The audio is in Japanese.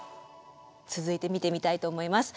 続いて見てみたいと思います。